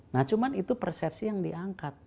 nah cuma itu persepsi yang diangkat